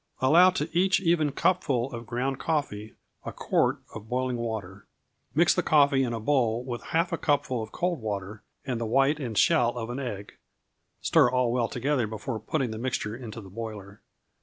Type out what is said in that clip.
Allow to each even cupful of ground coffee a quart of boiling water. Mix the coffee in a bowl with half a cupful of cold water and the white and shell of an egg; stir all well together before putting the mixture into the boiler.